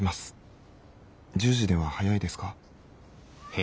１０時では早いですか？」。